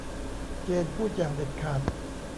เจนพูดอย่างเด็ดขาด